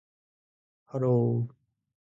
hello